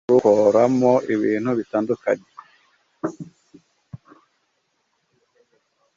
mbere yo kurukoramo ibintu bitandukanye,